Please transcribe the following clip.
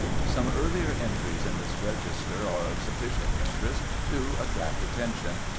Some earlier entries in this register are of sufficient interest to attract attention.